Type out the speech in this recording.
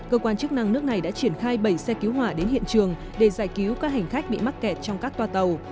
cơ quan chức năng nước này đã triển khai bảy xe cứu hỏa đến hiện trường để giải cứu các hành khách bị mắc kẹt trong các toa tàu